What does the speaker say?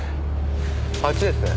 あっちですね。